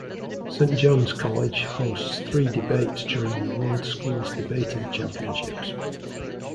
Saint John's College hosts three debates during the World Schools Debating Championships.